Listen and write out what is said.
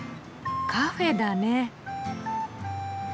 カフェだね。